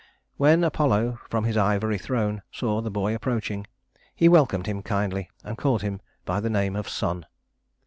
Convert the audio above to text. When Apollo, from his ivory throne, saw the boy approaching, he welcomed him kindly and called him by the name of son.